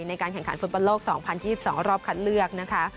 ในการแข่งขันฟุตบอลโลก๒๐๒๒รอบคัดเลือกนะคะ